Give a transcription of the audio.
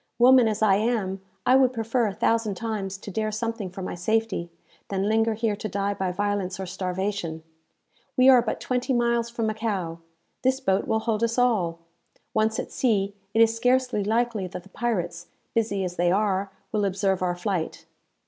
Woman as I am, I would prefer a thousand times to dare something for my safety, than linger here to die by violence or starvation! We are but twenty miles from Macao. This boat will hold us all. Once at sea, it is scarcely likely that the pirates, busy as they are, will observe our flight.